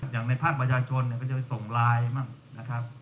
อย่างในภาคประชาชนก็จะไปส่งไลน์บ้างนะครับ